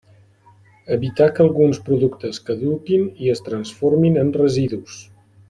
Evitar que alguns productes caduquin i es transformin en residus.